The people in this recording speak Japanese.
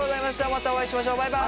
またお会いしましょうバイバイ。